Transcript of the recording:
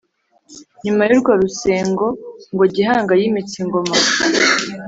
nyuma y'urwo rusengo, ngo gihanga yimitse ingoma